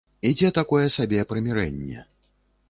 Ідзе такое сабе прымірэнне.